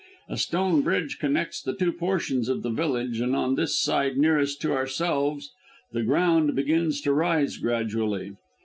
A stone bridge connects the two portions of the village, and on this side nearest to ourselves the ground begins to rise gradually.